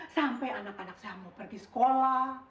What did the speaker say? sampai anak anak saya mau pergi sekolah